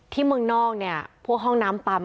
เมืองนอกเนี่ยพวกห้องน้ำปั๊ม